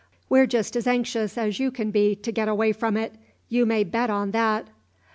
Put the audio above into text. We're just as anxious as you can be to get away from it, you may bet on that."